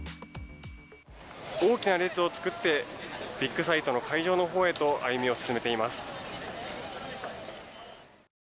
大きな列を作ってビッグサイトの会場のほうへと歩みを進めています。